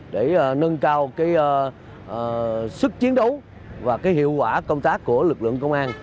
để nâng cao sức chiến đấu và hiệu quả công tác của lực lượng công an